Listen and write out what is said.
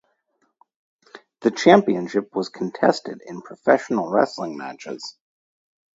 The championship was contested in professional wrestling matches.